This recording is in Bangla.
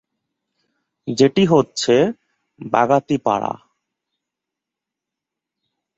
যেটি হচ্ছেঃ বাগাতিপাড়া।